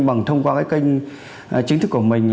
bằng thông qua cái kênh chính thức của mình